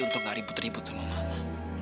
untuk gak ribut ribut sama mama